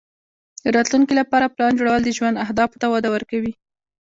د راتلونکې لپاره پلان جوړول د ژوند اهدافو ته وده ورکوي.